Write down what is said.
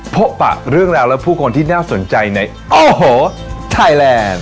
ปะเรื่องราวและผู้คนที่น่าสนใจในโอ้โหไทยแลนด์